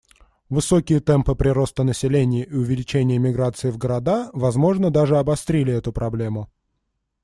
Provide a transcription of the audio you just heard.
Высокие темпы прироста населения и увеличение миграции в города, возможно, даже обострили эту проблему.